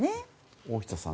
大下さん